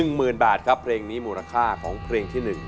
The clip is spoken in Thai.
หมื่นบาทครับเพลงนี้มูลค่าของเพลงที่๑